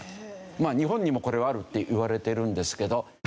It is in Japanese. まあ日本にもこれはあるっていわれてるんですけど。